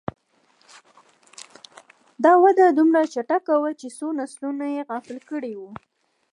دا وده دومره چټکه وه چې څو نسلونه یې غافل کړي وو.